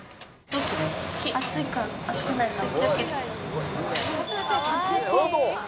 熱いから、熱くないかな？